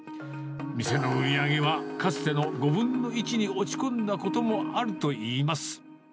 店の売り上げはかつての５分の１に落ち込んだこともあるといいます。